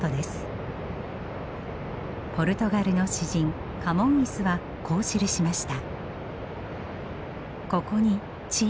ポルトガルの詩人カモンイスはこう記しました。